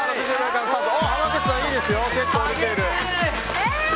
濱口さん、いいですよ結構出ている。